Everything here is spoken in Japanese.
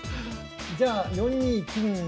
じゃあ４二金右で。